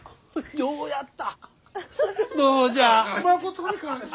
ようやった！